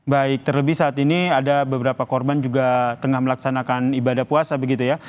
baik terlebih saat ini ada beberapa korban juga tengah melaksanakan ibadah puasa begitu ya